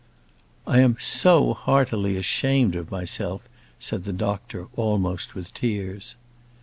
"I am so heartily ashamed of myself," said the doctor, almost with tears.